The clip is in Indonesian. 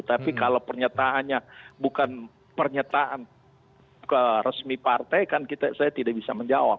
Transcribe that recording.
tapi kalau pernyataannya bukan pernyataan ke resmi partai kan saya tidak bisa menjawab